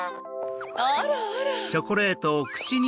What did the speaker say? あらあら。